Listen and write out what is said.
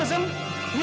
nantang kamu ya